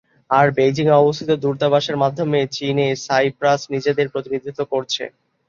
আর বেইজিংয়ে অবস্থিত দূতাবাসের মাধ্যমে চীনে সাইপ্রাস নিজেদের প্রতিনিধিত্ব করছে।